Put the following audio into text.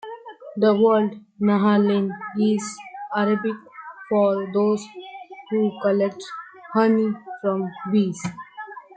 The word "nahaleen" is Arabic for those who collect honey from bees.